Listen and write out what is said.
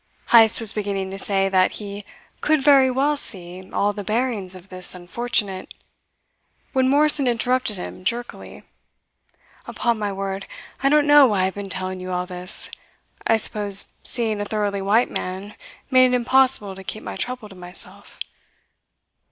Heyst was beginning to say that he "could very well see all the bearings of this unfortunate " when Morrison interrupted him jerkily. "Upon my word, I don't know why I have been telling you all this. I suppose seeing a thoroughly white man made it impossible to keep my trouble to myself.